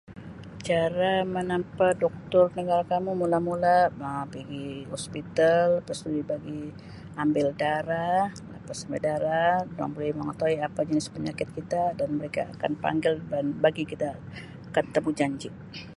Cara menempah doktor mula-mula pigi hospital pastu dibagi ambil darah, lepas ambil darah durang boleh mengetahui apa jenis penyakit kita dan mereka akan panggil dan bagi kita kad temujanji.